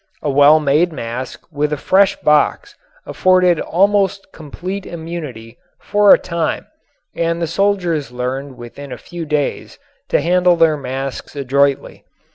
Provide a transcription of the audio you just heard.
A well made mask with a fresh box afforded almost complete immunity for a time and the soldiers learned within a few days to handle their masks adroitly.